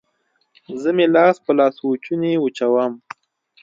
زه مې لاس په لاسوچوني وچوم